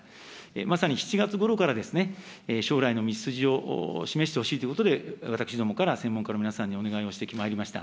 まさに７月ごろから将来の道筋を示してほしいということで、私どもから専門家の皆さんにお願いをしてまいりました。